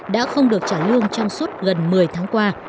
đã không được trả lương trong suốt gần một mươi tháng qua